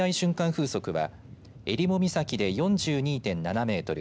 風速はえりも岬で４２．７メートル